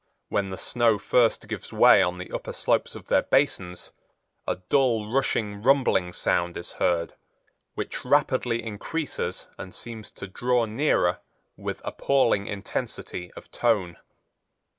When the snow first gives way on the upper slopes of their basins, a dull rushing, rumbling sound is heard which rapidly increases and seems to draw nearer with appalling intensity of tone.